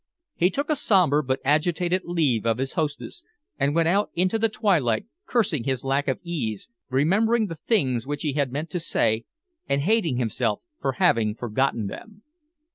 He took a sombre but agitated leave of his hostess, and went out into the twilight, cursing his lack of ease, remembering the things which he had meant to say, and hating himself for having forgotten them.